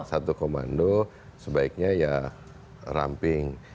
satu komando sebaiknya ya ramping